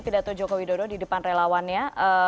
pidato joko widodo di depan relawannya